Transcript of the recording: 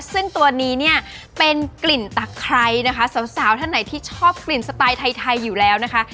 ซึ่งตัวนี้เนี่ยเป็นกลิ่นตะไคร้นะคะสาวท่านไหนที่ชอบกลิ่นสไตล์ไทยอยู่แล้วนะคะ